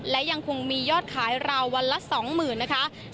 และยังคงมียอดขายราววันละ๒๐๐๐นะคะ